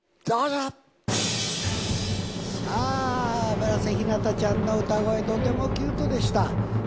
さあ村瀬ひなたちゃんの歌声とてもキュートでした。